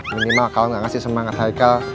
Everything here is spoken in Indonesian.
terima kasih semangat haikal